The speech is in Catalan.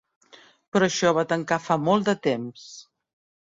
Però això va tancar fa molt de temps.